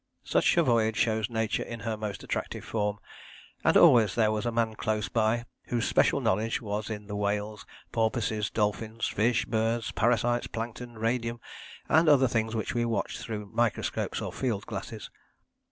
Such a voyage shows Nature in her most attractive form, and always there was a man close by whose special knowledge was in the whales, porpoises, dolphins, fish, birds, parasites, plankton, radium and other things which we watched through microscopes or field glasses.